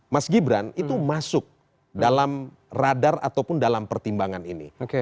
mas gibran itu masuk dalam radar ataupun dalam pertimbangan ini